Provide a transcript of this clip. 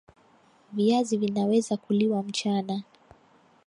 Viazi vinaweza kuliwa mchana